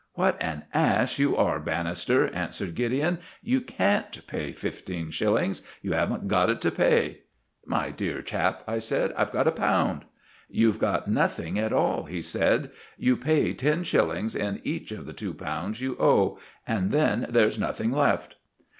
"What an ass you are, Bannister!" answered Gideon. "You can't pay fifteen shillings, you haven't got it to pay." "My Dear chap," I said, "I've got a pound." "You've got nothing at all," he said. "You pay ten shillings in each of the two pounds you owed, and then there's nothing left."